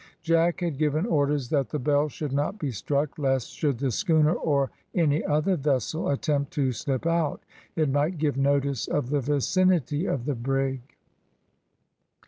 Jack had given orders that the bell should not be struck, lest, should the schooner, or any other vessel, attempt to slip out, it might give notice of the vicinity of the brig.